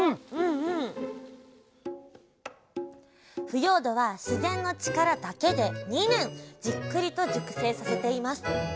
腐葉土は自然の力だけで２年じっくりと熟成させています。